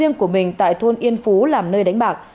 giang sử dụng nhà riêng của mình tại thôn yên phú làm nơi đánh bạc